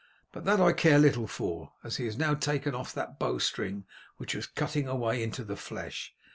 But that I care little for, as he has now taken off that bow string which was cutting its way into the flesh.